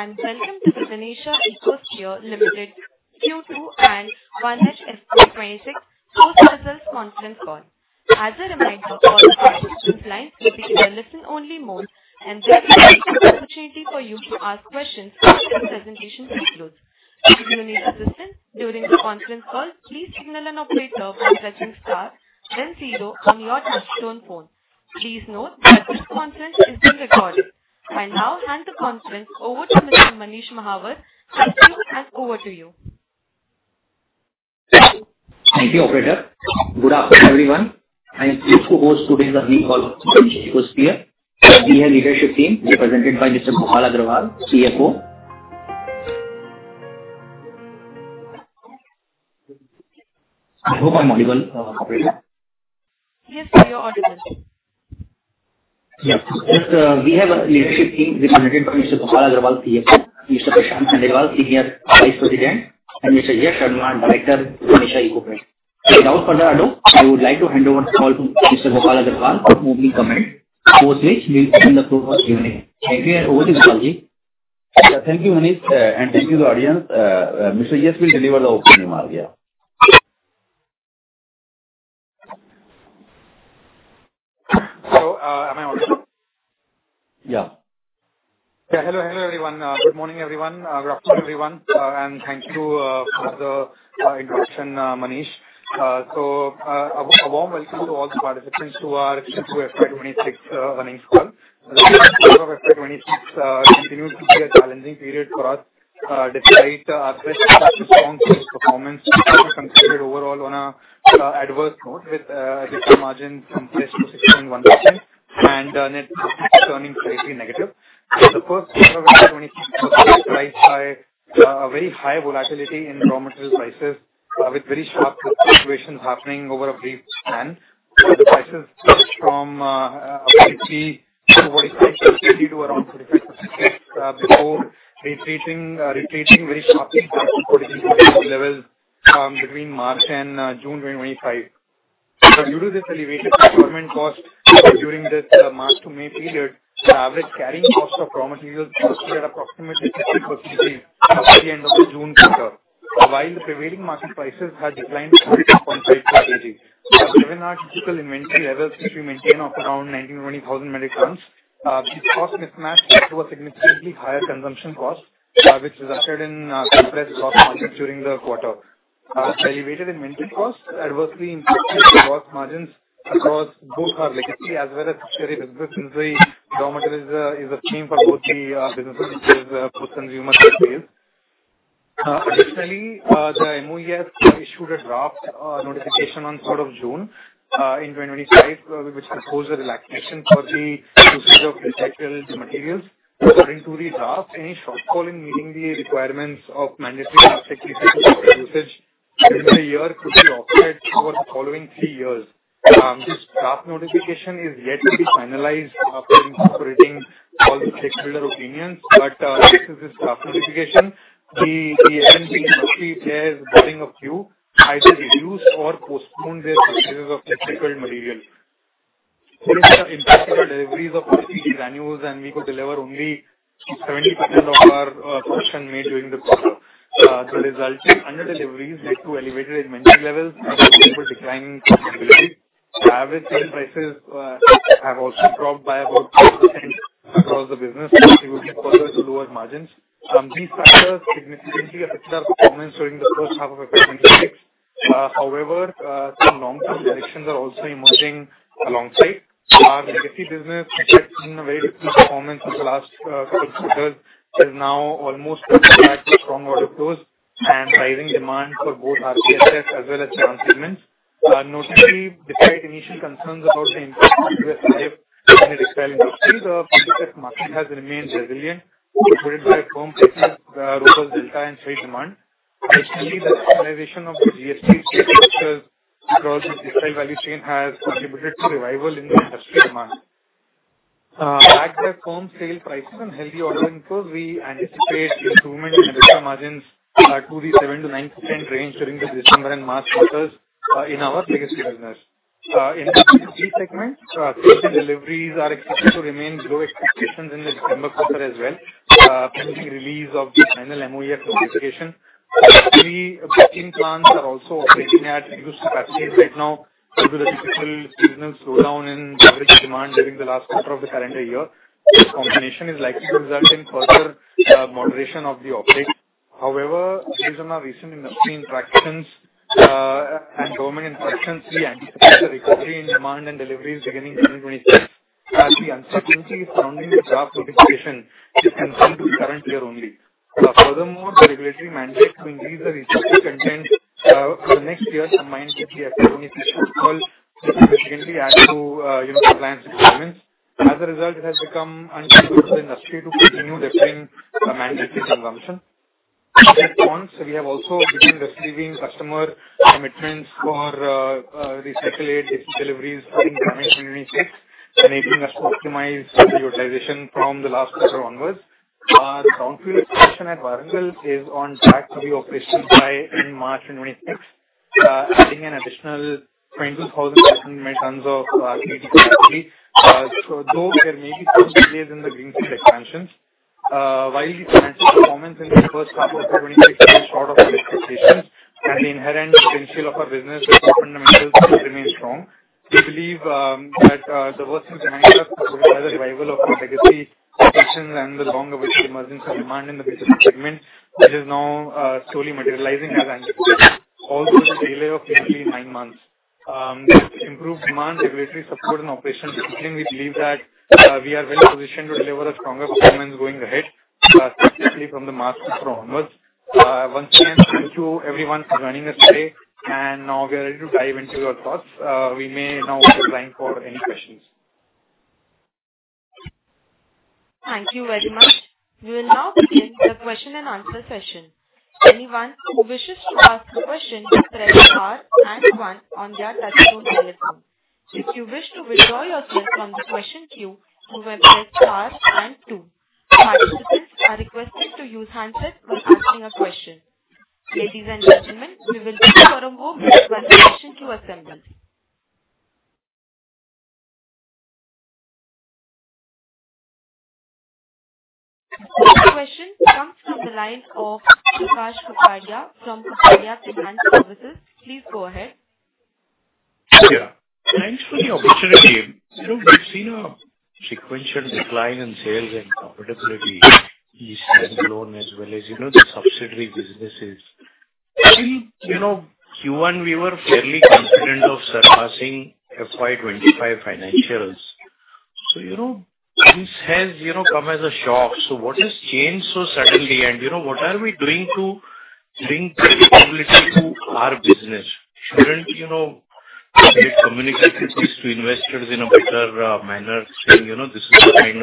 Ladies and gentlemen, good day and welcome to the Ganesha Ecosphere Limited Q2 and 1H FY2026 Post Results Conference Call. As a reminder, all participants' lines will be in a listen-only mode, and there is an opportunity for you to ask questions after the presentation concludes. If you need assistance during the conference call, please signal an operator by pressing Star, then Zero on your touch-tone phone. Please note that this conference is being recorded. I now hand the conference over to Mr. Manish Mahawar. Thank you, and over to you. Thank you, Operator. Good afternoon, everyone. I'm pleased to host today's earning call of Ganesha Ecosphere. We have a leadership team represented by Mr. Gopal Agarwal, CFO. I hope I'm audible, Operator. Yes, to your audible. Yes. We have a leadership team represented by Mr. Gopal Agarwal, CFO, Mr. Prashant Khandelwal, Senior Vice President, and Mr. Yash Sharma, Director, Ganesha Ecosphere. Without further ado, I would like to hand over the call to Mr. Gopal Agarwal to move in command, both of which will open the floor for Q&A. Thank you. Over to you, Gopal, Ji. Thank you, Manish, and thank you, the audience. Mr. Yash will deliver the opening remark, yeah. So, am I on? Yeah. Yeah. Hello, hello, everyone. Good morning, everyone. Good afternoon, everyone, and thank you for the introduction, Manish. A warm welcome to all the participants to our Q2 FY2026 earnings call. The Q2 FY2026 continued to be a challenging period for us. Despite our best performance, we concluded overall on an adverse note, with return margins increased to 6.1% and net profit turning slightly negative. The first quarter of FY2026 was characterized by a very high volatility in raw material prices, with very sharp fluctuations happening over a brief span. Prices pushed from 50%-45% to around 45% before retreating very sharply back to 40% levels between March and June 2025. Due to this elevated government cost during this March to May period, the average carrying cost of raw materials was at approximately 50% by the end of the June quarter, while the prevailing market prices had declined to 4.5%. Given our typical inventory levels, which we maintain of around 19-20,000 metric tons, these costs mismatched to a significantly higher consumption cost, which resulted in compressed gross margins during the quarter. Elevated inventory costs adversely impacted the gross margins across both our legacy as well as rPET businesses. Raw materials is a theme for both the businesses as well as post-consumer sectors. Additionally, the MOEF issued a draft notification on the 3rd of June in 2025, which proposed a relaxation for the usage of recycled materials. According to the draft, any shortfall in meeting the requirements of mandatory plastic recycling for usage within the year could be offset over the following three years. This draft notification is yet to be finalized after incorporating all the stakeholder opinions, but this is the draft notification. The MNC industry is calling a few, either reduced or postponed their purchases of recycled materials. In particular, deliveries of rPET granules, and we could deliver only 70% of our production made during the quarter. The resulting under-deliveries led to elevated inventory levels and possible declining profitability. Average sale prices have also dropped by about 2% across the business, contributing further to lower margins. These factors significantly affected our performance during the first half of FY2026. However, some long-term predictions are also emerging alongside. Our legacy business, which had seen a very decent performance in the last couple of quarters, is now almost back to strong out of those and rising demand for both RPSF as well as yarn segments. Notably, despite initial concerns about the impact of the FY2026 in the textile industry, the FY2026 market has remained resilient, supported by firm prices, robust delta, and strong demand. Additionally, the stabilization of the GST structures across the textile value chain has contributed to revival in the industry demand. Backed by firm sale prices and healthy ordering flows, we anticipate improvement in additional margins to the 7%-9% range during the December and March quarters in our legacy business. In the rPET segment, deliveries are expected to remain below expectations in the December quarter as well, pending release of the final MOEF notification. The rPET plants are also operating at reduced capacities right now due to the typical seasonal slowdown in average demand during the last quarter of the calendar year. This combination is likely to result in further moderation of the uptake. However, due to recent industry interactions and government instructions, we anticipate a recovery in demand and deliveries beginning in 2026. As far as the uncertainty surrounding the draft notification is concerned to the current year only. Furthermore, the regulatory mandate to increase the recycled content for the next year combined with the FY2026 protocol will significantly add to compliance requirements. As a result, it has become unlikely for the industry to continue lifting mandatory consumption. In response, we have also begun receiving customer commitments for recycled deliveries starting from 2026, enabling us to optimize the utilization from the last quarter onwards. The brownfield expansion at Warangal is on track to be operational by March 2026, adding an additional 22,500 tons of rPET capacity. Though there may be some delays in the greenfield expansions, while the financial performance in the first half of 2026 is short of our expectations and the inherent potential of our business is fundamental to remain strong, we believe that the worst of the headwinds will be behind us with the revival of our legacy locations and the long-awaited emergence of demand in the recycling segment, which is now slowly materializing as anticipated. Also, the delay of nearly nine months. With improved demand, regulatory support, and operations ticking, we believe that we are well positioned to deliver stronger performance going ahead, specifically from the March quarter onwards. Once again, thank you everyone for joining us today, and now we are ready to dive into your thoughts. We may now open the line for any questions. Thank you very much. We will now begin the question and answer session. Anyone who wishes to ask a question can press Star and one on their touch-tone telephone. If you wish to withdraw yourself from the question queue, you may press Star and two. Participants are requested to use handset when asking a question. Ladies and gentlemen, we will take a warm welcome to the question queue assembly. The first question comes from the line of Prakash Kapadia from Kapadia Financial Services. Please go ahead. Thank you. Thanks for the opportunity. We've seen a sequential decline in sales and profitability this year alone, as well as the subsidiary businesses. Until Q1, we were fairly confident of surpassing FY2025 financials. So this has come as a shock. So what has changed so suddenly, and what are we doing to bring profitability to our business? Shouldn't we communicate this to investors in a better manner, saying, "This is the kind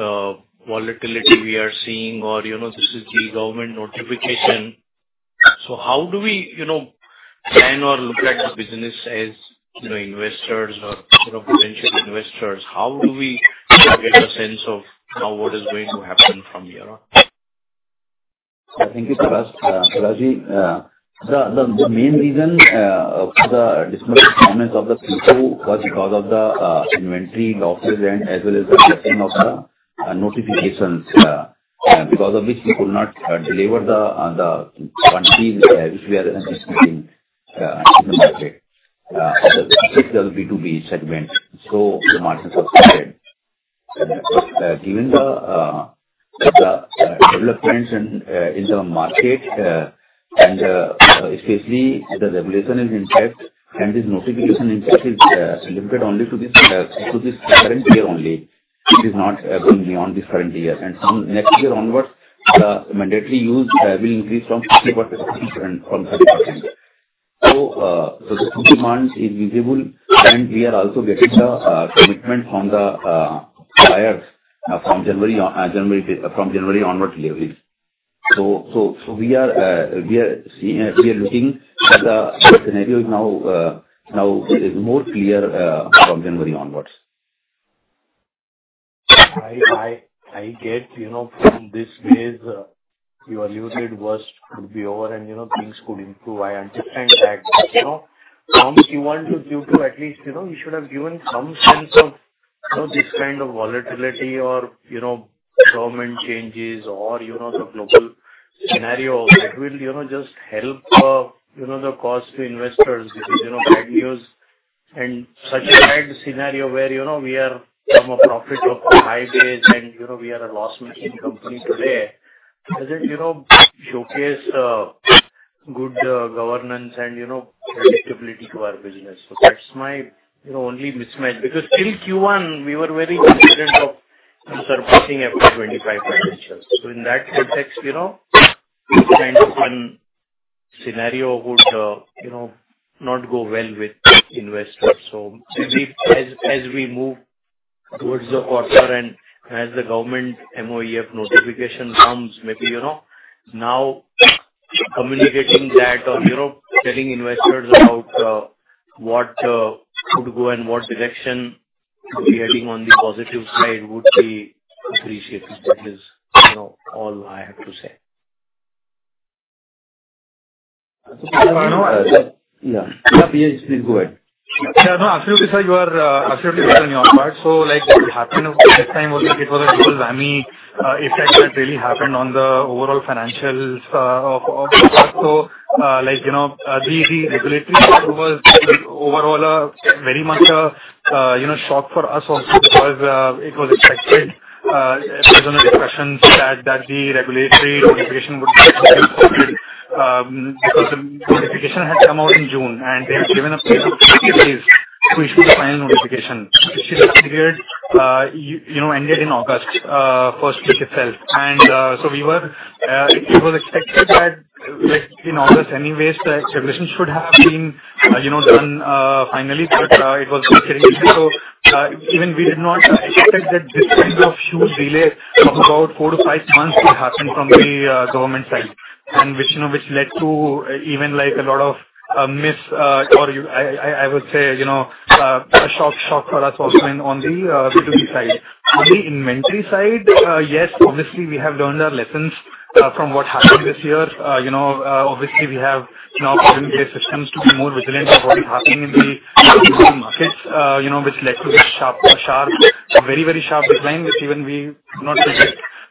of volatility we are seeing," or, "This is the government notification"? So how do we plan or look at the business as investors or potential investors? How do we get a sense of what is going to happen from here on? Thank you, Prakash. Prakash Ji, the main reason for the dismal performance of the rPET was because of the inventory losses as well as the blocking of the notifications, because of which we could not deliver the quantities which we are anticipating in the market, especially the B2B segment. So the margins were flattened. Given the developments in the market, and especially the regulation is in effect, and this notification impact is limited only to this current year only. It is not going beyond this current year. And from next year onwards, the mandatory use will increase from 50% to 30%. So the demand is visible, and we are also getting the commitment from the buyers from January onward deliveries. So we are looking at the scenario now is more clear from January onwards. I get from this way, your muted voice could be over, and things could improve. I understand that from Q1 to Q2, at least we should have given some sense of this kind of volatility or government changes or the global scenario that will just help the cause to investors. The bad news and such a bad scenario where we went from a profit of five crores and we are a loss-making company today, does it showcase good governance and predictability to our business? So that's my only mismatch. Because till Q1, we were very confident of surpassing FY2025 financials. So in that context, this kind of scenario would not go well with investors. So as we move towards the quarter and as the government MOEF notification comes, maybe now communicating that or telling investors about what could go and what direction we are heading on the positive side would be appreciated. That is all I have to say. Yeah, please go ahead. Yeah, no, absolutely, sir. You are absolutely right on your part. So this time was a bit of a double whammy effect that really happened on the overall financials of the quarter. So the regulatory part was overall a very much a shock for us also because it was expected based on the discussions that the regulatory notification would be very positive because the notification had come out in June, and they had given a period of 40 days to issue the final notification, which actually ended in the first week of August. It was expected that in August anyways, the regulations should have been done finally, but it was getting delayed. So even we did not expect that this kind of huge delay of about four-to-five months would happen from the government side, which led to even a lot of miss, or I would say a shock for us also on the B2B side. On the inventory side, yes, obviously we have learned our lessons from what happened this year. Obviously, we have now put in place systems to be more vigilant of what is happening in the markets, which led to this sharp, very, very sharp decline, which even we did not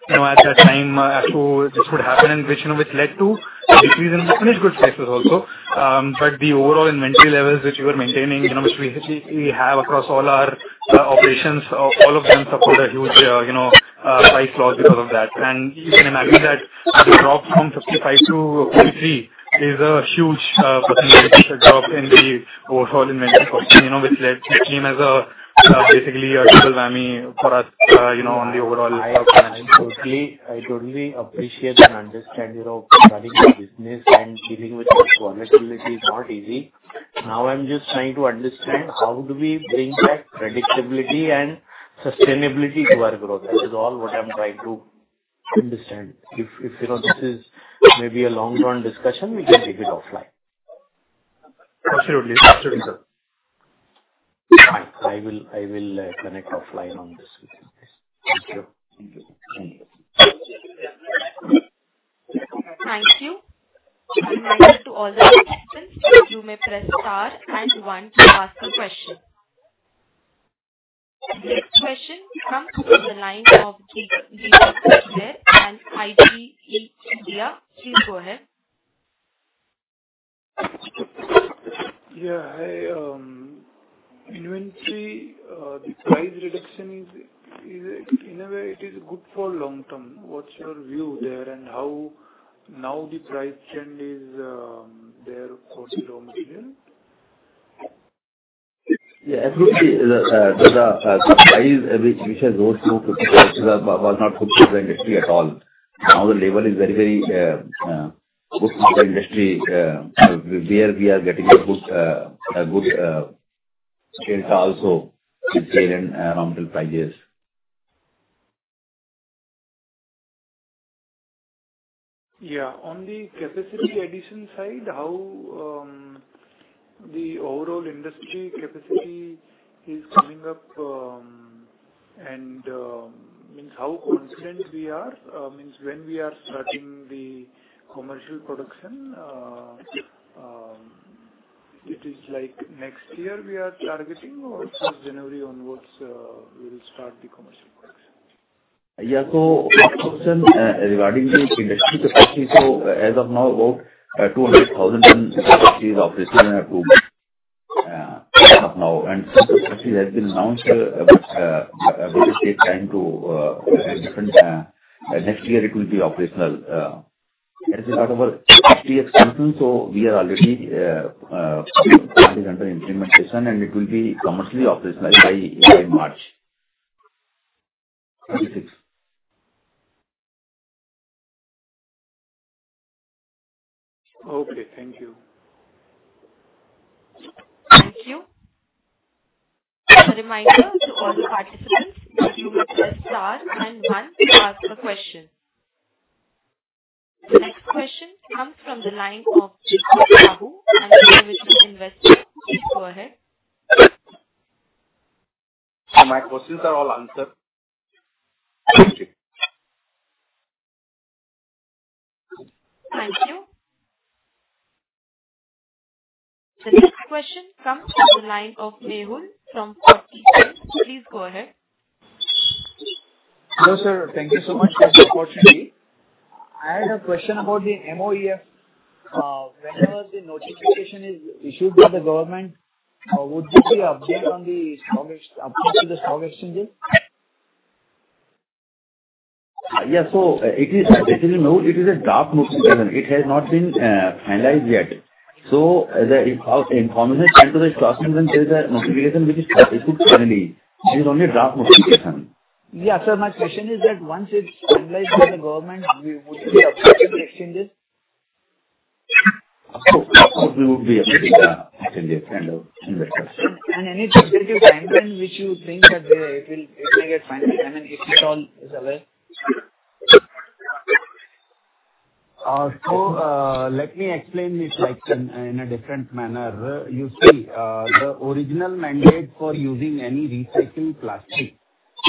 predict at that time as to this would happen, which led to a decrease in finished goods prices also. But the overall inventory levels, which we were maintaining, which we have across all our operations, all of them suffered a huge price loss because of that. You can imagine that the drop from 55 to 43 is a huge percentage drop in the overall inventory cost, which came as basically a double whammy for us on the overall line of financing. Totally. I totally appreciate and understand running a business and dealing with this volatility is not easy. Now I'm just trying to understand how do we bring back predictability and sustainability to our growth? That is all what I'm trying to understand. If this is maybe a long-term discussion, we can take it offline. Absolutely. Absolutely, sir. Fine. I will connect offline on this with you. Thank you. Thank you. Thank you. Thank you. Reminder to all the participants, you may press Star and one to ask a question. The next question comes from the line of Deepak Shore, and IGE India. Please go ahead. Yeah. Inventory, the price reduction is in a way, it is good for long term. What's your view there and how now the price trend is there for the raw material? Yeah. Absolutely. The price, which has gone through 55, was not good for the industry at all. Now the level is very, very good for the industry where we are getting a good sales too also sales and raw material prices. Yeah. On the capacity addition side, how the overall industry capacity is coming up and, meaning, how confident we are when we are starting the commercial production. It is like next year we are targeting or first January onwards we will start the commercial production. Yeah. So last question regarding the industry capacity. So as of now, about 200,000 tons capacity is operational as of now. And since the capacity has been announced, it will take time to have different. Next year it will be operational. There's a lot of PET expansion, so we are already under implementation, and it will be commercially operationalized by March 2026. Okay. Thank you. Thank you. A reminder to all the participants, if you may press Star and one to ask a question. The next question comes from the line of Deepak Babu, an individual investor. Please go ahead. My questions are all answered. Thank you. Thank you. The next question comes from the line of Mehul from O3 Capital. Please go ahead. Hello, sir. Thank you so much for the opportunity. I had a question about the MOEF. Whenever the notification is issued by the government, would there be an update on the stock exchanges? Yeah. So it is a draft notification. It has not been finalized yet. So information sent to the trust and then there is a notification which is issued finally. It is only a draft notification. Yeah, sir. My question is that once it's finalized by the government, would there be updates to the exchanges? We would be updating the exchanges and the investors. Any targeted time frame which you think that it may get finalized, I mean, if it all is away? So let me explain this in a different manner. You see, the original mandate for using any recycled plastic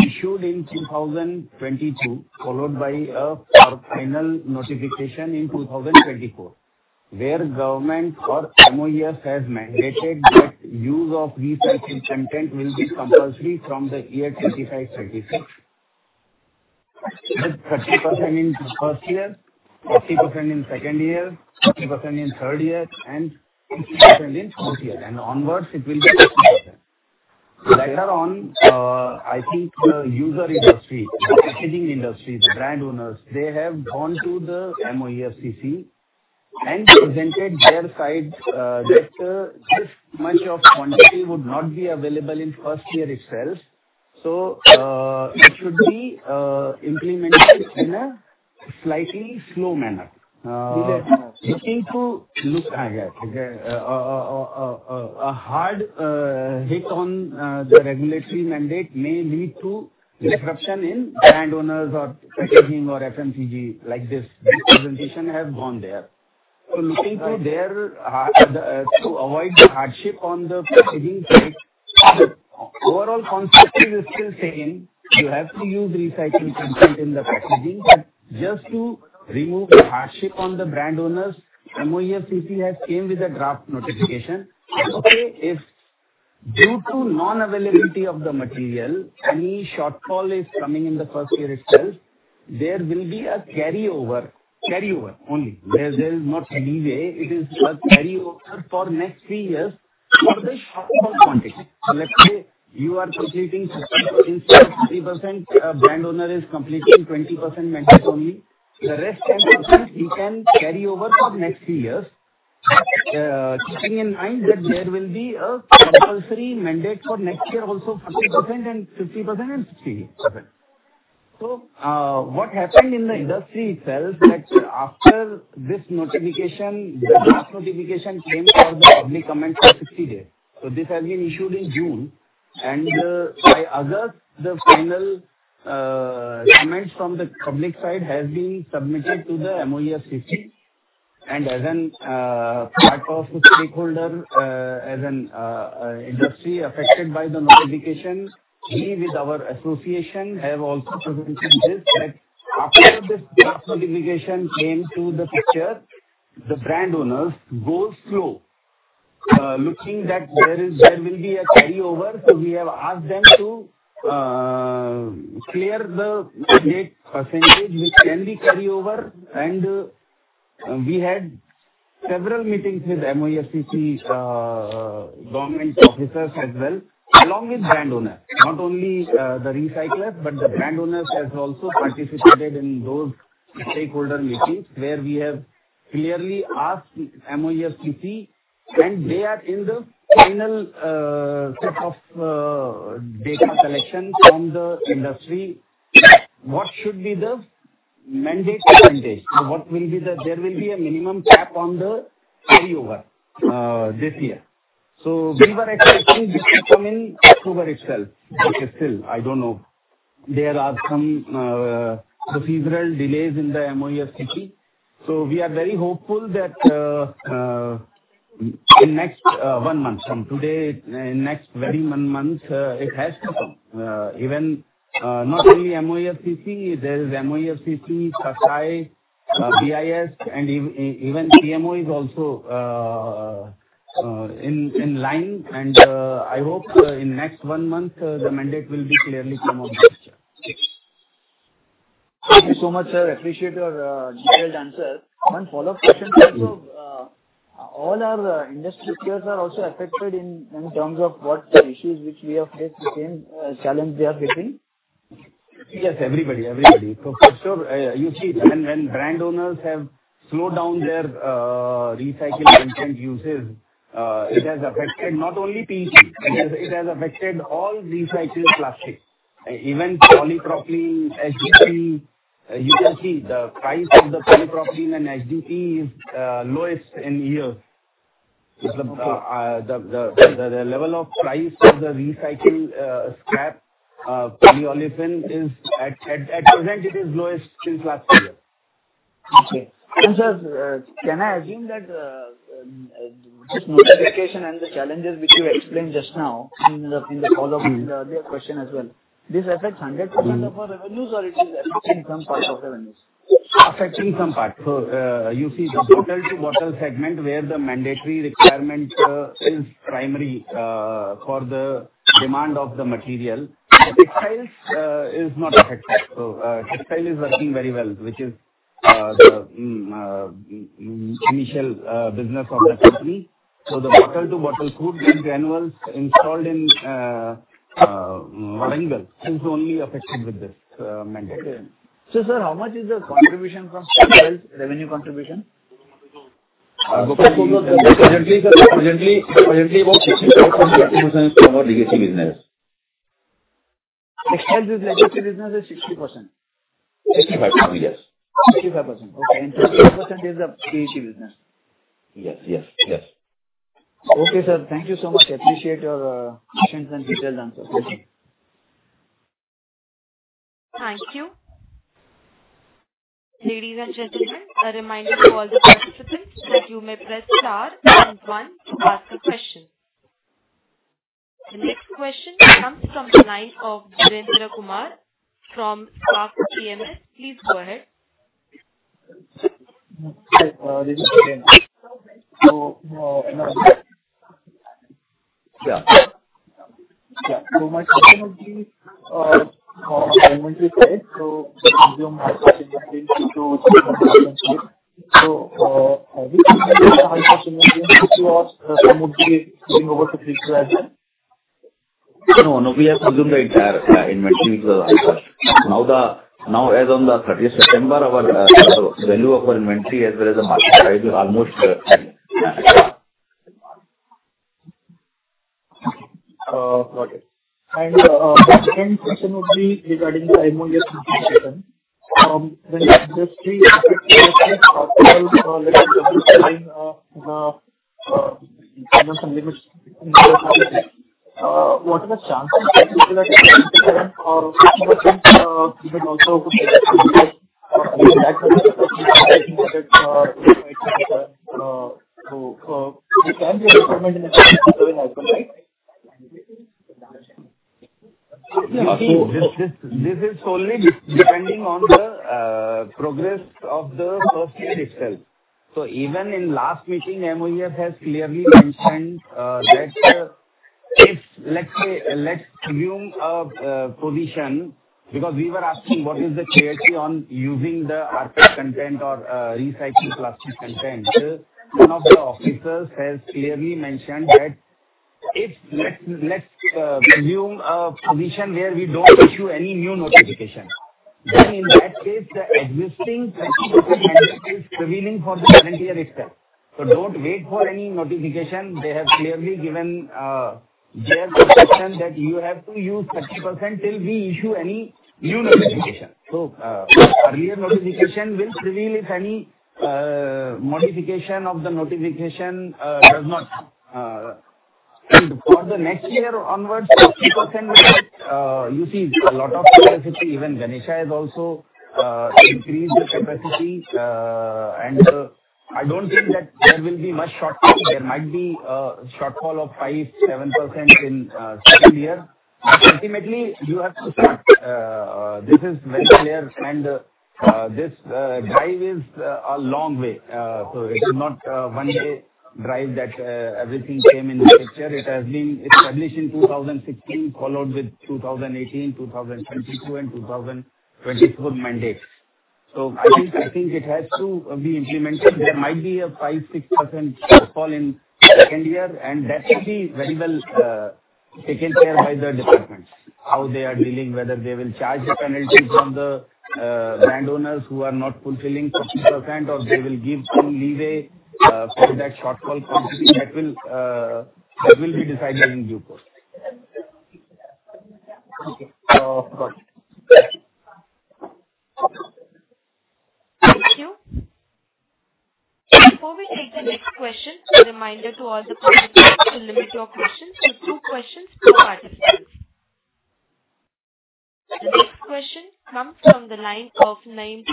issued in 2022, followed by a final notification in 2024, where government or MOEF has mandated that use of recycled content will be compulsory from the year 2026. That's 30% in the first year, 40% in the second year, 50% in the third year, and 60% in the fourth year. And onwards, it will be 50%. Later on, I think the user industry, the packaging industry, the brand owners, they have gone to the MOEFCC and presented their side that this much of quantity would not be available in the first year itself. So it should be implemented in a slightly slow manner. Looking ahead, a hard hit on the regulatory mandate may lead to disruption in brand owners or packaging or FMCG like this. The presentation has gone there. So looking to avoid the hardship on the packaging side, the overall concept is still same. You have to use recycled content in the packaging. But just to remove the hardship on the brand owners, MOEFCC has come with a draft notification. Okay, if due to non-availability of the material, any shortfall is coming in the first year itself, there will be a carryover only. There is not leeway. It is a carryover for next three years for the shortfall quantity. So let's say you are completing 50%. Instead of 30%, a brand owner is completing 20% mandate only. The rest 10%, he can carry over for next three years, keeping in mind that there will be a compulsory mandate for next year also, 40% and 50% and 60%. What happened in the industry itself is that after this notification, the draft notification came for the public comments for 60 days. This has been issued in June. By August, the final comments from the public side have been submitted to the MOEFCC. As a part of the stakeholder, as an industry affected by the notification, we with our association have also presented this that after this draft notification came to the picture, the brand owners go slow, looking that there will be a carryover. We have asked them to clear the mandate percentage, which can be carried over. We had several meetings with MOEFCC government officers as well, along with brand owners. Not only the recyclers, but the brand owners have also participated in those stakeholder meetings where we have clearly asked MOEFCC, and they are in the final set of data collection from the industry what should be the mandate percentage. So what will be, there will be a minimum cap on the carryover this year. So we were expecting this to come in October itself. Okay, still, I don't know. There are some procedural delays in the MOEFCC. So we are very hopeful that in the next one month, from today, in the next very month, it has to come. Even not only MOEFCC, there is MOEFCC, FSSAI, BIS, and even PMO is also in line. And I hope in the next one month, the mandate will be clearly come on the picture. Thank you so much, sir. Appreciate your detailed answers. One follow-up question also, all our industry players are also affected in terms of what issues which we have faced became a challenge they are facing? Yes, everybody. Everybody. So for sure, you see, when brand owners have slowed down their recycled content uses, it has affected not only PET. It has affected all recycled plastics, even polypropylene, HDPE. You can see the price of the polypropylene and HDPE is lowest in years. The level of price for the recycled scrap, polyolefin, is at present. It is lowest since last year. Okay. And sir, can I assume that this notification and the challenges which you explained just now in the follow-up to the earlier question as well, this affects 100% of our revenues or it is affecting some part of the revenues? Affecting some part. So you see the bottle-to-bottle segment where the mandatory requirement is primary for the demand of the material. The textiles is not affected. So textile is working very well, which is the initial business of the company. So the bottle-to-bottle food, the granules installed in Warangal is only affected with this mandate. So sir, how much is the contribution from textiles revenue contribution? Presently, about 60%, 60%. Our legacy business. Textiles is legacy business is 60%? 65%, yes. 65%. Okay. And 25% is the PET business? Yes. Yes. Yes. Okay, sir. Thank you so much. Appreciate your questions and detailed answers. Thank you. Ladies and gentlemen, a reminder to all the participants that you may press star and one to ask a question. The next question comes from the line of Devendra Kumar from Spark Capital. Please go ahead. Hi. This is Devendra. Yeah. My question is the inventory side. We assume half of the inventory to 200%. Have you seen the high-cost inventory which has been promoted to being over 50%? No. No. We have assumed the entire inventory to the high cost. Now, as of the 30th of September, our value of our inventory as well as the market price is almost. Okay. Got it, and the second question would be regarding the MOEFCC section. From the industry, if it's possible to let us know the limits in the capacity. What are the chances that 50% or 60% would also be that much of the capacity that is right now? So there can be a requirement in the capacity to have a high-class, right? This is solely depending on the progress of the first year itself. So even in the last meeting, MOEF has clearly mentioned that if, let's say, let's assume a position because we were asking what is the clarity on using the post-consumer content or recycled plastic content. One of the officers has clearly mentioned that if, let's assume a position where we don't issue any new notification, then in that case, the existing 30% mandate is prevailing for the current year itself. So don't wait for any notification. They have clearly given their consent that you have to use 30% till we issue any new notification. So earlier notification will prevail if any modification of the notification does not. And for the next year onwards, 50% will be. You see, a lot of capacity, even Ganesha has also increased the capacity. I don't think that there will be much shortfall. There might be a shortfall of 5%-7% in the second year. Ultimately, you have to start. This is very clear. This drive is a long way. It's not a one-day drive that everything came in the picture. It has been established in 2016, followed with 2018, 2022, and 2024 mandates. I think it has to be implemented. There might be a 5%-6% shortfall in the second year. That will be very well taken care of by the department, how they are dealing, whether they will charge the penalty from the brand owners who are not fulfilling 50%, or they will give some leeway for that shortfall quantity. That will be decided in due course. Okay. Got it. Thank you. Before we take the next question, a reminder to all the participants to limit your questions to two questions per participant. The next question comes from the line of Nilesh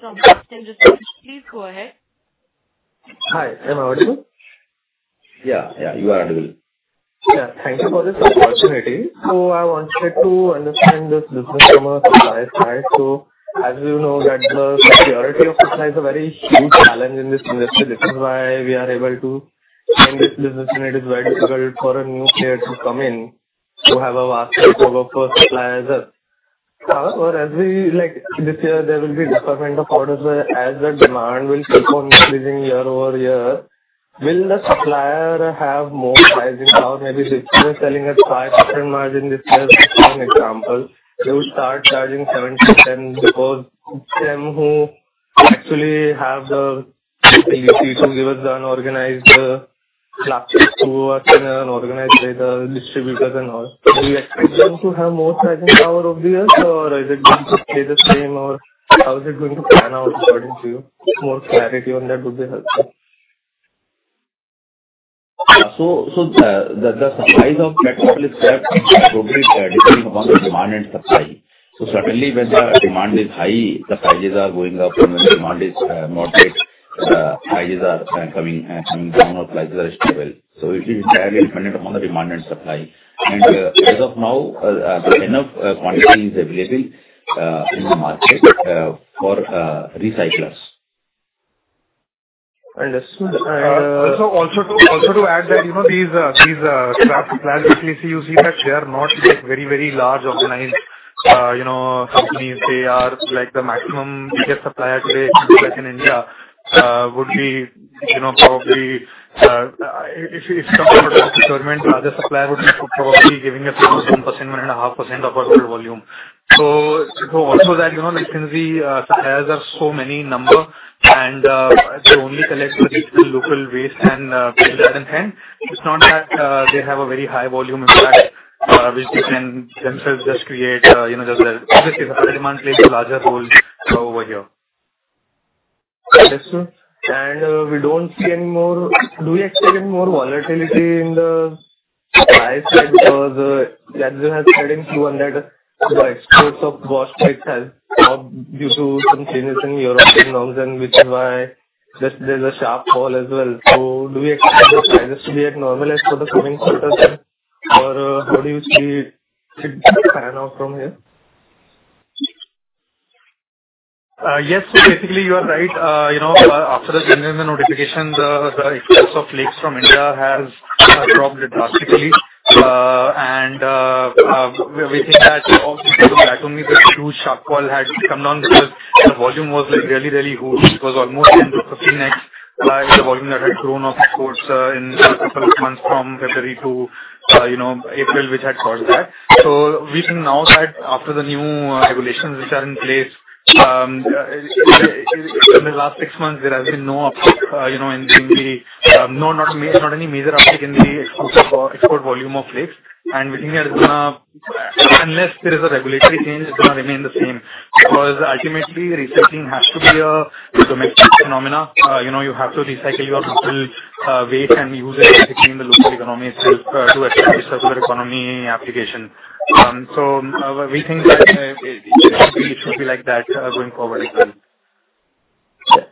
from Western Resources. Please go ahead. Hi. Am I audible? Yeah. Yeah. You are audible. Yeah. Thank you for this opportunity. So I wanted to understand this business from a supplier side. So as you know, the security of supply is a very huge challenge in this industry. This is why we are able to fund this business, and it is very difficult for a new player to come in to have a vast takeover for suppliers. However, as this year, there will be a dearth of orders whereas the demand will keep on increasing year over year, will the supplier have more pricing power? Maybe if we are selling at 5% margin this year, as an example, they will start charging 7% because them who actually have the ability to give us an organized plastic to us and an organized way the distributors and all. Do you expect them to have more pricing power over the years, or is it going to stay the same, or how is it going to pan out according to you? More clarity on that would be helpful. So the supplies of PET scrap would be dependent upon the demand and supply. So certainly, when the demand is high, the prices are going up. When the demand is moderate, prices are coming down, or prices are stable. So it is entirely dependent upon the demand and supply. And as of now, there is enough quantity available in the market for recyclers. Understood. And. Also, to add that these scrap suppliers, basically, you see that they are not very, very large organized companies. They are the maximum ticket supplier today, like in India, would be probably if it comes to the procurement, the supplier would be probably giving us 1%, 1.5% of our total volume. So also that since the suppliers are so many in number and they only collect the local waste and that in hand, it's not that they have a very high volume impact which they can themselves just create. Obviously, the demand plays a larger role over here. Understood. And we don't see any more. Do you expect any more volatility in the supply side because as you have said in Q1 that the exports of wash itself are due to some changes in European norms, which is why there's a sharp fall as well. So do you expect the prices to be normalized for the coming quarter, or how do you see it pan out from here? Yes, so basically, you are right. After the notification, the exports of flakes from India have dropped drastically, and we think that due to the huge shockwave had come down because the volume was really, really huge. It was almost 10-15x the volume that had grown of exports in a couple of months from February to April, which had caused that, so we think now that after the new regulations which are in place, in the last six months, there has been no uptick in the not any major uptick in the export volume of flakes, and we think that unless there is a regulatory change, it's going to remain the same because ultimately, recycling has to be a domestic phenomenon. You have to recycle your local waste and use it basically in the local economy itself to establish a circular economy application. We think that it should be like that going forward as well. Yes.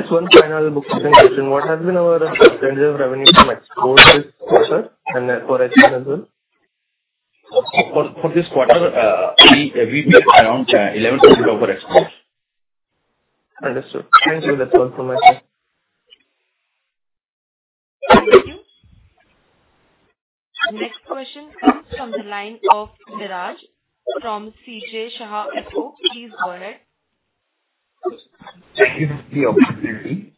Just one final quick question. What has been our percentage of revenue from exports this quarter and for HDPE as well? For this quarter, we did around 11% of our exports. Understood. Thank you. That's all from my side. Thank you. The next question comes from the line of Niraj from CJ Shah & Co. Please go ahead. Thank you for the opportunity.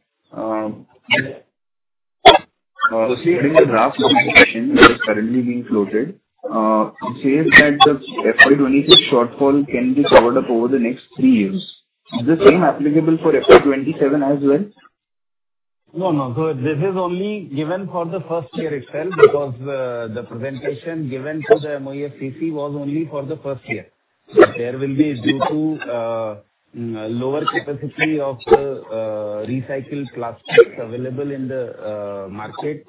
So seeing the draft of the question, which is currently being floated, it says that the FY2026 shortfall can be covered up over the next three years. Is the same applicable for FY2027 as well? No, no. So this is only given for the first year itself because the presentation given to the MOEFCC was only for the first year. There will be due to lower capacity of the recycled plastics available in the market,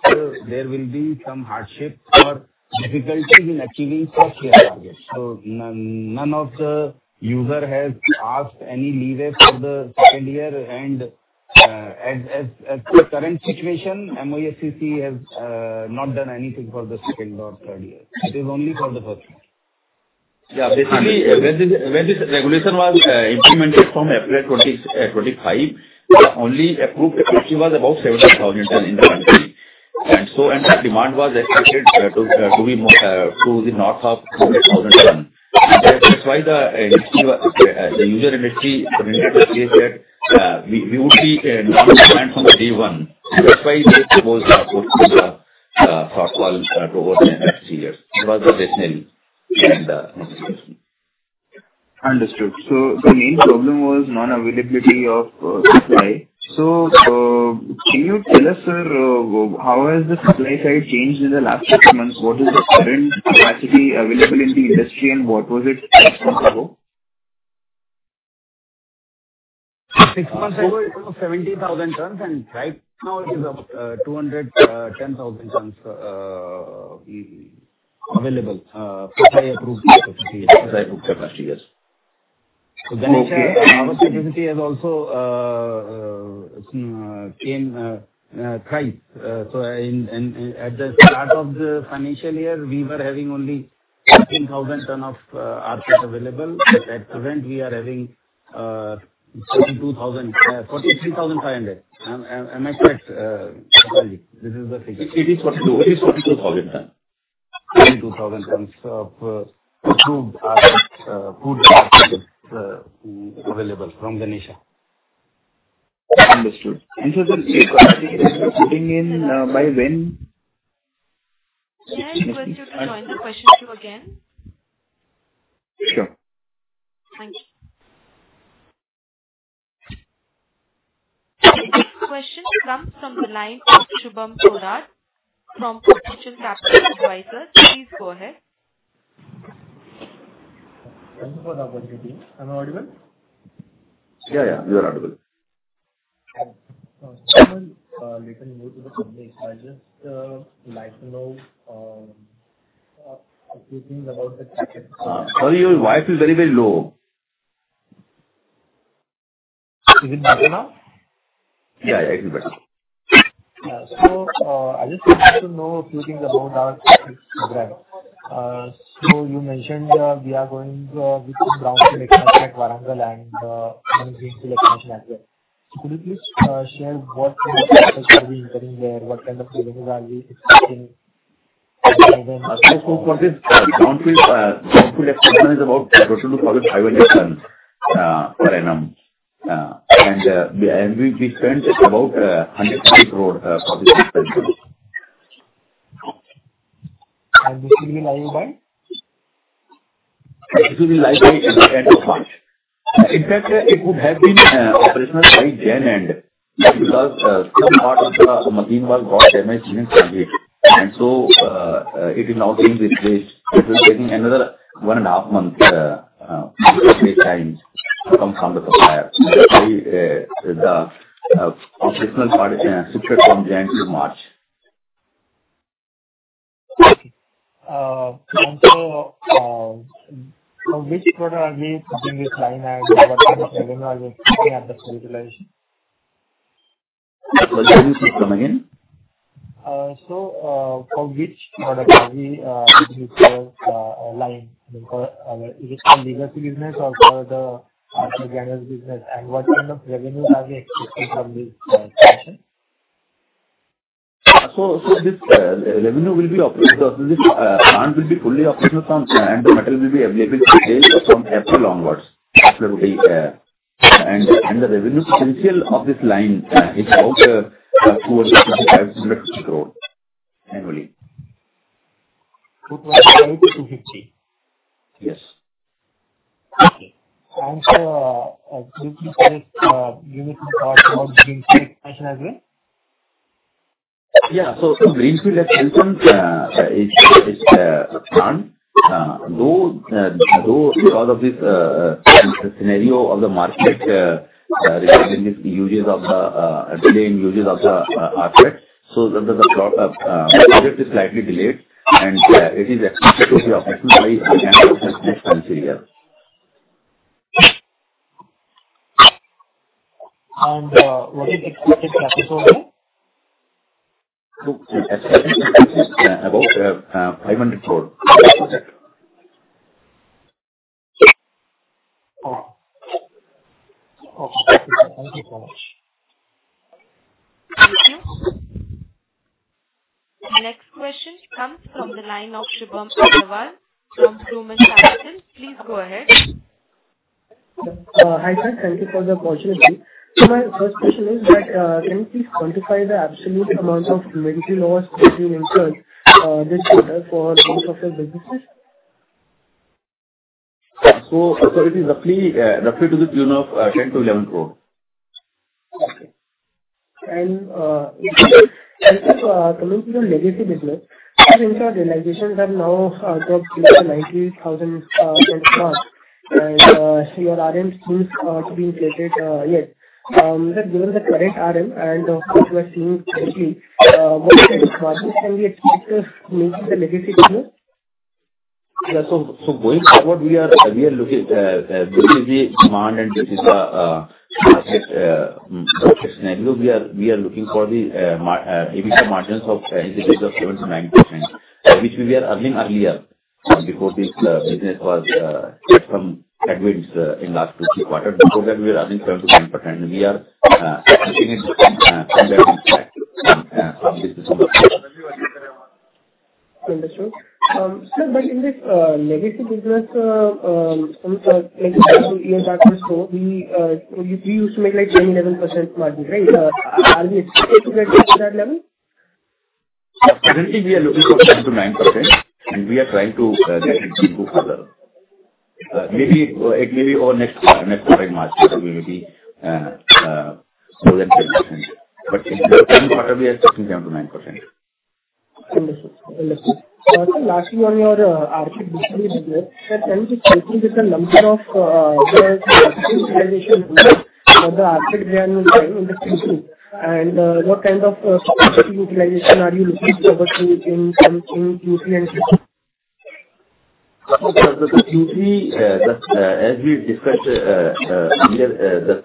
there will be some hardship or difficulty in achieving first-year targets. So none of the users has asked any leeway for the second year and as the current situation, MOEFCC has not done anything for the second or third year. It is only for the first year. Yeah. Basically, when this regulation was implemented from April 2025, the only approved capacity was about 70,000 metric tons in the country, and so the demand was expected to be to the north of 70,000 metric tons. That's why the user industry presented to say that we would be non-compliant from day one. That's why this was the shortfall toward the next three years. It was the reasoning and the notification. Understood. So the main problem was non-availability of supply. So can you tell us, sir, how has the supply side changed in the last six months? What is the current capacity available in the industry, and what was it six months ago? Six months ago, it was 70,000 metric tons, and right now, it is 210,000 metric tons available for high-approved capacity. It was high-approved capacity, yes. Ganesha, our capacity has also come thrice. At the start of the financial year, we were having only 15,000 metric tons of rPET available. At the present, we are having 43,500. Am I correct? This is the figure. It is 42,000 tons. 42,000 tons of approved rPET available from Ganesha. Understood. Sir, the capacity is improving by when? Yes. I want you to join the question two again. Sure. Thank you. The next question comes from the line of Shubham Kodar from Shubham Advisors. Please go ahead. Thank you for the opportunity. Am I audible? Yeah. Yeah. You are audible. A little more to the context, I just like to know a few things about the. Sorry, your Wi-Fi is very, very low. Is it better now? Yeah. Yeah. It's better. So I just want to know a few things about our project program. So you mentioned we are going with the brownfield expansion at Warangal and Bilaspur brownfield expansion as well. Could you please share what kind of expectations are we incurring there, what kind of revenues are we expecting? For this brownfield expansion is about total 2,500 metric tons per annum. We spent about 150 crores for this expansion. This will be live by? This will be live by the end of March. In fact, it would have been operational by January end because some part of the machine was brought damaged in transit, and so it is now being replaced. It will take another one and a half months for the replacement from the supplier, so the operational part is shifted from January to March. Okay. And so, for which product are we putting this line and what kind of revenue are we expecting at the current realization? Can you please come again? For which product are we putting this line? I mean, for our original legacy business or for the after-garments business? And what kind of revenues are we expecting from this expansion? This revenue will be operational. This plant will be fully operational from and the material will be available from April onwards. The revenue potential of this line is about 250 to 250 crores annually. 250 to 250? Yes. Okay. And so, as you please correct, you need to talk about greenfield expansion as well? Yeah, so greenfield expansion is planned. Though, because of this scenario of the market regarding the use of the rPET, so the project is slightly delayed, and it is expected to be operational by the end of this financial year. What is the expected capital here? Expected expenses about INR 500 crores for this project. Okay. Okay. Thank you so much. Thank you. The next question comes from the line of Shubham Kodar from Broom & Shackleton. Please go ahead. Hi, sir. Thank you for the opportunity. So my first question is that can you please quantify the absolute amount of inventory loss that you will incur this quarter for both of your businesses? It is roughly to the tune of 10-11 crores. Okay. And coming to your legacy business, you've ensured realizations have now dropped below 90,000 metric tons per month. And your RM seems to be inflated yet. But given the current RM and what you are seeing currently, what is expected to meet the legacy tier? Yeah. So going forward, we are looking this is the demand, and this is the market scenario. We are looking for the EBITDA margins of in the range of 7%-9%, which we were earning earlier before this business was at some advance in the last two or three quarters. Before that, we were earning 7%-10%. We are looking at combating that from this position. Understood. Sir, but in the legacy business, like a couple of years back or so, we used to make like 10%-11% margin, right? Are we expected to get back to that level? Currently, we are looking for 9%-10%, and we are trying to go further. It may be over next quarter, next quarter in March. We will be above 10%. But in the current quarter, we are expecting 7%-9%. Understood. So lastly, on your rPET business, sir, can you just briefly give the number of the rPET utilization for the rPET plant in the future? And what kind of rPET utilization are you looking to cover in Q3 and Q4? The Q3, as we discussed earlier, the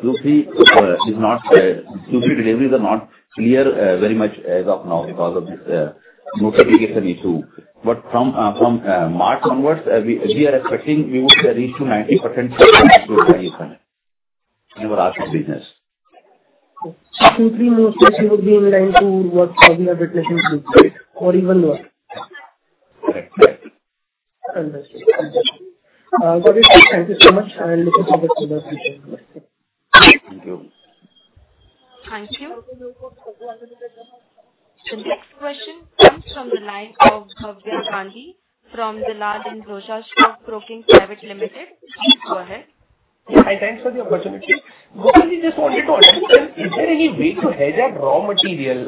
Q3 deliveries are not clear very much as of now because of this notification issue. But from March onwards, we are expecting we would reach to 90%, to the highest one in our r-PET business. Q3 notification would be in line to what we are witnessing to? Right. Or even lower? Correct. Correct. Understood. Got it. Thank you so much. I'll look into this further. Thank you. Thank you. The next question comes from the line of Bhavya Gandhi from Dalal & Broacha Stock Broking. Please go ahead. Hi, thanks for the opportunity. Bhavya, we just wanted to understand, is there any way to hedge at raw material,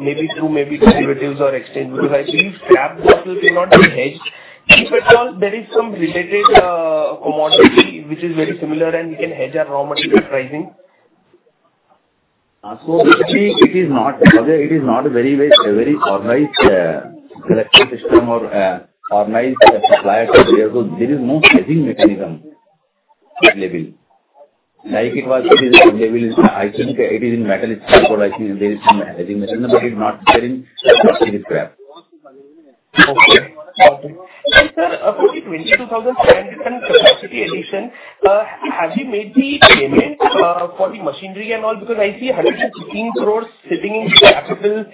maybe through derivatives or exchange? Because I see you've capped that you cannot be hedged. If at all, there is some related commodity which is very similar, and you can hedge at raw material pricing? So actually, it is not. It is not a very organized collection system or organized supplier here. So there is no hedging mechanism available. Like it was available, I think it is in metal. It's cheaper. I think there is some hedging mechanism, but it's not there in the scrap. Sir, for the 22,700 metric tons capacity addition, have you made the payment for the machinery and all? Because I see 115 crores sitting in capital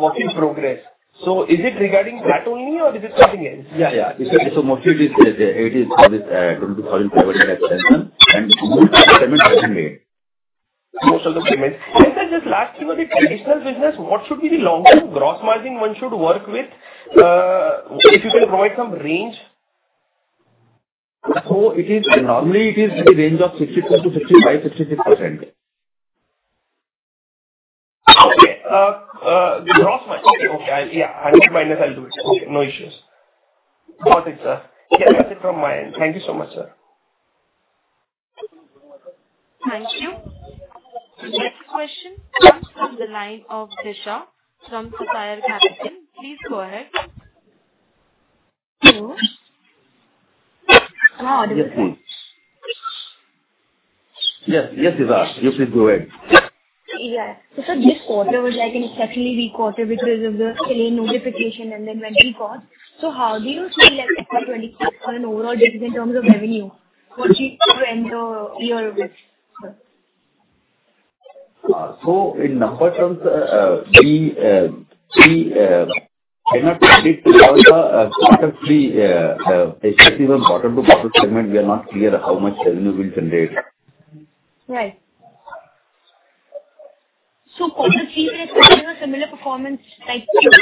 work in progress. So is it regarding that only, or is it something else? Yeah. So mostly, it is for this 22,700 tons expansion, and most of the payment has been made. Most of the payment. Sir, just last thing on the traditional business, what should be the long-term gross margin one should work with? If you can provide some range. So normally, it is the range of 62%-65%, 66%. Okay. Gross margin. Okay. Yeah. 100 minus, I'll do it. Okay. No issues. Got it, sir. Yeah. That's it from my end. Thank you so much, sir. Thank you. The next question comes from the line of Shah from Sameeksha Capital. Please go ahead. Yes. Yes. Yes, Shah. You please go ahead. Yeah. So sir, this quarter was like in the second quarter because of the draft notification and then when we caught. So how do you see FY2026 for an overall division in terms of revenue? What do you think to end your? So in number terms, we cannot predict because the quarter three, especially on quarter to quarter segment, we are not clear how much revenue we'll generate. Right. So quarter three is expecting a similar performance like Q2?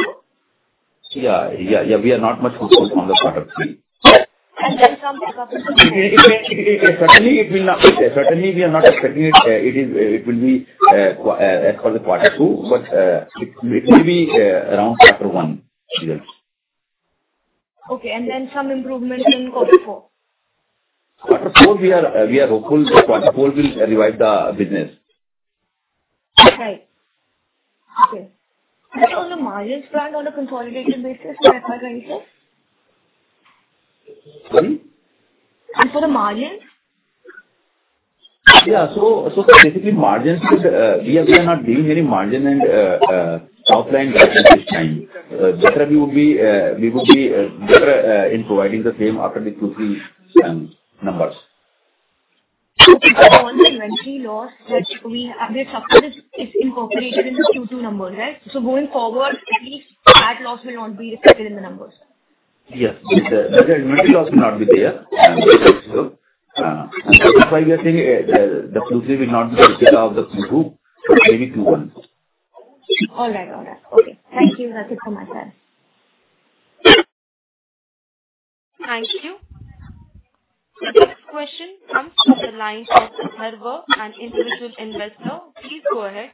Yeah. Yeah. Yeah. We are not much hopeful on the quarter three. And then some backup? Certainly, we are not expecting it. It will be as for the quarter two, but it may be around quarter one results. Okay, and then some improvement in quarter four? Quarter four, we are hopeful quarter four will revive the business. Right. Okay. Sir, on the margins planned on a consolidated basis, FY2026? Sorry? For the margins? Yeah. So sir, basically, margins. We are not giving any margin guidance this time. Rather, we would be better in providing the same after the Q3 numbers. So because of the inventory loss that we have here, it's incorporated in the Q2 numbers, right? So going forward, at least that loss will not be reflected in the numbers? Yes. The inventory loss will not be there. And that's why we are saying the Q3 will not be reflected out of the Q2, maybe Q1. All right. All right. Okay. Thank you. That's it for my side. Thank you. The next question comes from the line of Bhavya, an individual investor. Please go ahead.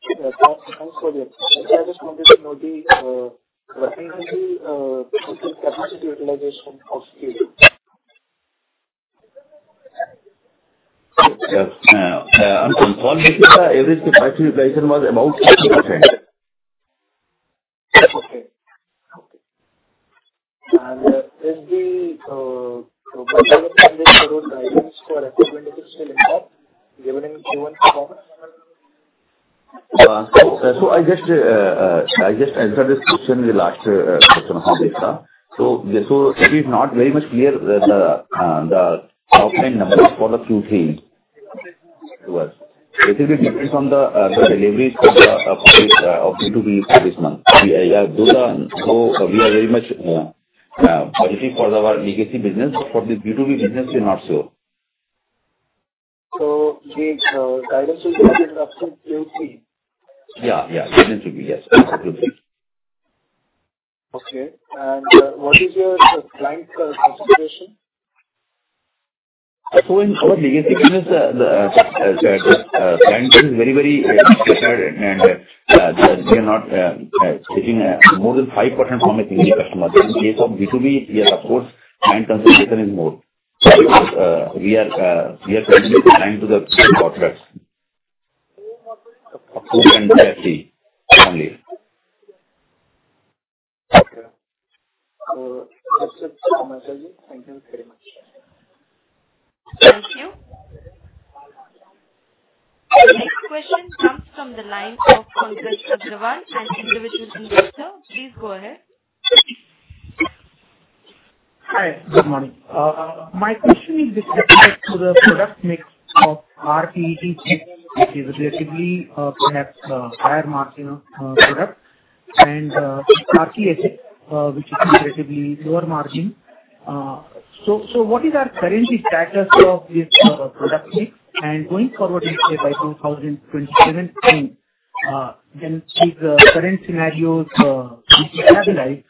Hello. Hi. Hello. How are you doing, sir? Yeah. Yeah. You are good. I just wanted to know the final capacity utilization of Q2? Yes. I'm sorry. Bhavya, everything capacity utilization was about 15%. And when the INR 1,100 crores dividends for FY26 still impact, given performance? I just answered this question in the last question of Shah. It is not very much clear the outline numbers for the Q3 was. It will be different from the deliveries of B2B for this month. We are very much positive for our legacy business, but for the B2B business, we are not sure. So the guidance will be up to Q3? Yeah. Yeah. Guidance will be yes, up to Q3. Okay. What is your client's concentration? So in our legacy business, the client is very, very prepared, and we are not taking more than 5% from a single customer. In case of B2B, yes, of course, client concentration is more. We are continuously aligned to the corporate approved and trusted only. Okay. So that's it for my side, Ji. Thank you very much. Thank you. The next question comes from the line of Bhavya, an individual investor. Please go ahead. Hi. Good morning. My question is with respect to the product mix of rPET Chips, which is a relatively perhaps higher margin product, and RPSF, which is relatively lower margin. So what is our current status of this product mix? And going forward, let's say by 2027, then with the current scenarios we can analyze,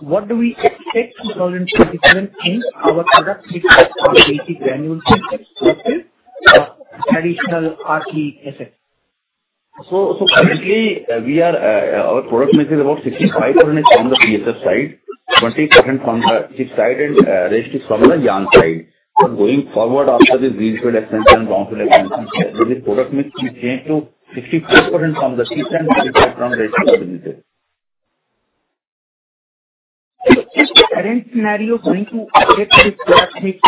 what do we expect 2027 in our product mix of rPET Chips, granules, and additional RPESE? Currently, our product mix is about 65% on the PSF side, 28% from the chips side, and the rest is from the yarn side. Going forward, after this greenfield expansion and brownfield expansion, this product mix will change to 65% from the chips and 25% from the rest of the businesses. So is the current scenario going to affect this product mix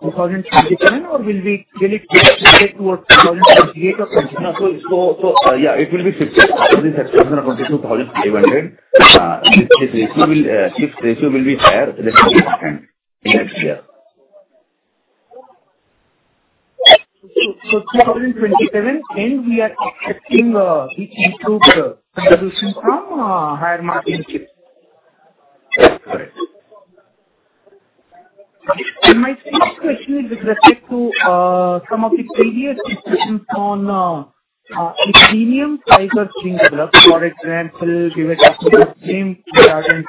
for 2027, or will it get shifted towards 2028 or continuous? So yeah, it will be shifted for this expansion of 22,500. This ratio will be higher than 2020 in the next year. So 2027, and we are expecting this improved distribution from higher margin rPET chips? That's correct. My question is with respect to some of the previous discussions on sustainable fiber spinning development, for example, we were talking about sustainable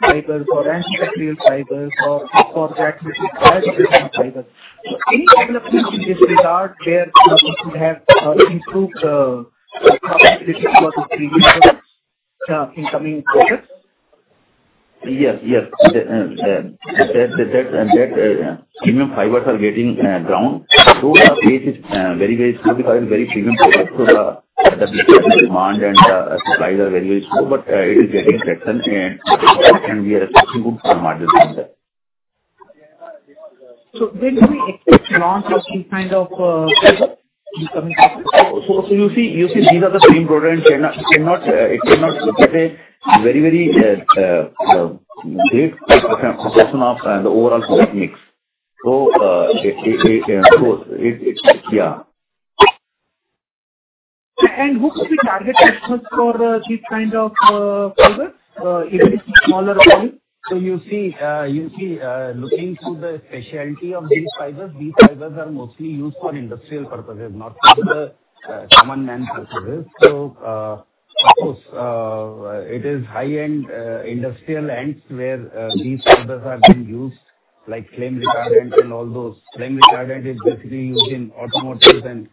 fiber for antibacterial fiber for that particular type of fiber. Any developments in this regard where we could have improved the possibility for the premium products in coming quarters? Yes. Yes. And that premium fibers are gaining ground. So the pace is very, very slow because it's very premium products. So the demand and the supply are very, very slow, but it is gaining traction, and we are expecting good margins from that. So when do we expect launch of these kind of products in coming quarters? So you see, these are the same products, and it cannot get a very, very great portion of the overall product mix. So yeah. Who could be target customers for these kind of fibers, even if it's smaller volume? So you see, looking to the specialty of these fibers, these fibers are mostly used for industrial purposes, not for the common man purposes. Of course, it is high-end industrial ends where these fibers are being used, like flame retardant and all those. Flame retardant is basically used in automotive and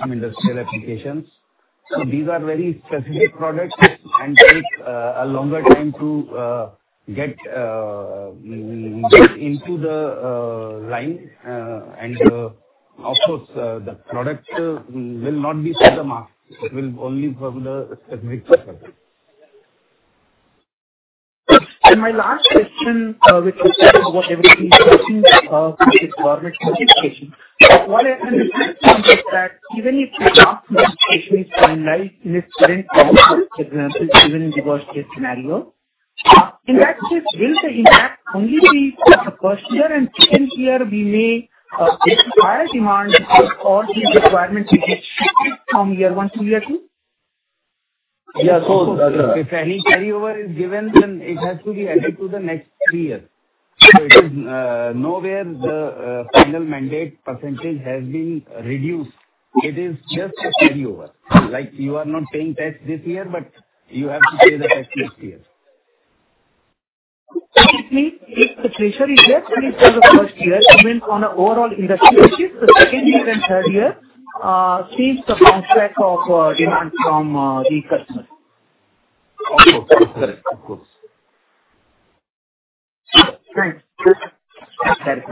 some industrial applications. These are very specific products and take a longer time to get into the line. Of course, the product will not be for the market. It will only be for the specific purposes. And my last question with respect to what everybody is talking about is government notification. What I understand is that even if the government notification is finalized in its current form, for example, even in the worst-case scenario, in that case, will the impact only be for the first year? And second year, we may see higher demand or the requirement will be shifted from year one to year two? Yes. So if any carryover is given, then it has to be added to the next three years. So it is nowhere the final mandate percentage has been reduced. It is just a carryover. Like you are not paying tax this year, but you have to pay the tax next year. So, if the pressure is less, it is for the first year, even on the overall industry, which is the second year and third year, sees the bounce back of demand from the customers. Of course. Of course. Thanks. That's correct.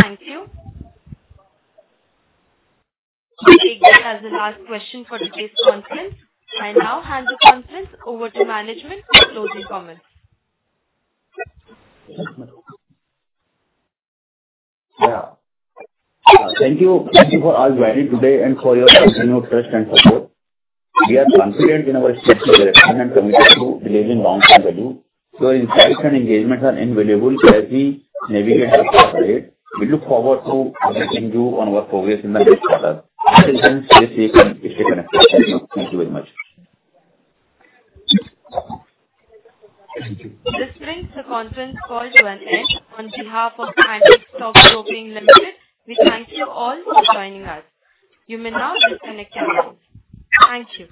Thank you. We take that as the last question for today's conference. I now hand the conference over to management for closing comments. Yeah. Thank you for all joining today and for your continued trust and support. We are confident in our strategic direction and committed to delivering long-term value. Your insights and engagements are invaluable as we navigate the corporate trade. We look forward to meeting you on our progress in the next quarter. Till then, stay safe and stay connected. Thank you very much. This brings the conference call to an end. On behalf of Antique Stock Broking Limited, we thank you all for joining us. You may now disconnect your lines. Thank you.